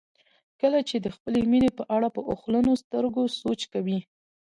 کله چې د خپلې مینې په اړه په اوښلنو سترګو سوچ کوئ.